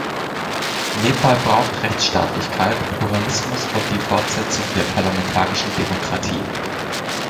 Nepal braucht Rechtsstaatlichkeit, Pluralismus und die Fortsetzung der parlamentarischen Demokratie.